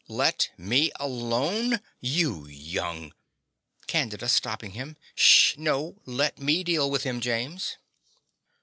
Let me alone! You young CANDIDA (Stopping him). Sh no, let me deal with him, James.